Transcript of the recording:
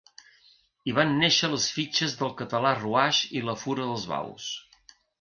Hi van néixer les fitxes de català Ruaix i la Fura dels Baus.